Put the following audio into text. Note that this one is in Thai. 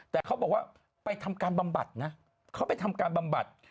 แต่เขาบอกว่าไปทำการบำบัดนะเขาไปทำการบำบัด